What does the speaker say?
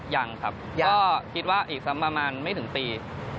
ยังครับก็คิดว่าอีกสักประมาณไม่ถึงปี